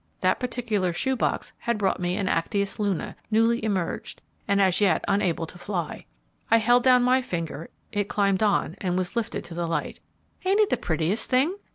That particular shoe box had brought me an Actias Luna, newly emerged, and as yet unable to fly. I held down my finger, it climbed on, and was lifted to the light. "Ain't it the prettiest thing?"